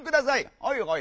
「はいはい。